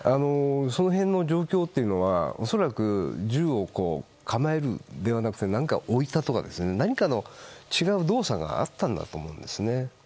その辺の状況というのは恐らく、銃を構えるのではなくて置いたとか、何かの違う動作があったんだと思うんですね。